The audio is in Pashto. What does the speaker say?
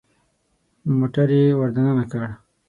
موټر يې ور دننه کړ.